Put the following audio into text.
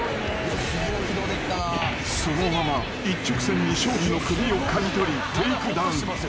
［そのまま一直線に庄司の首をかり取りテークダウン］